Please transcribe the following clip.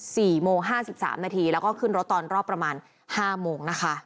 สี่โมงห้าสิบสามนาทีแล้วก็ขึ้นรถตอนรอบประมาณห้าโมงนะคะ